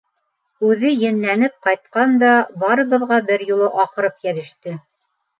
Үҙе енләнеп ҡайтҡан да, барыбыҙға бер юлы аҡырып йәбеште.